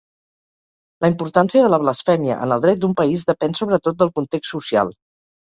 La importància de la blasfèmia en el dret d'un país depèn sobretot del context social.